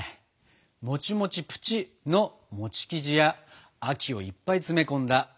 「もちもちぷちっ！」の生地や秋をいっぱい詰め込んだあん。